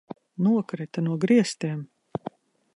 Nokrita no griestiem!